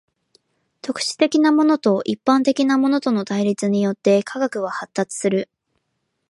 特殊的なものと一般的なものとの対立によって科学は発達する。